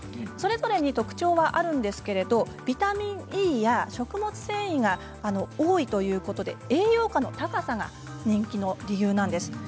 それぞれに特徴があるんですけれども、ビタミンＥや食物繊維が多いということで栄養価の高さが人気の理由なんです。